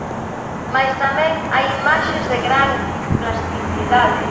Mais tamén hai imaxes de gran plasticidade.